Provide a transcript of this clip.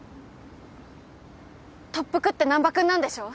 特服って難破君なんでしょ？